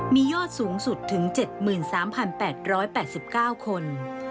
มียอดสูงสุดถึง๗๓๘๘๙คน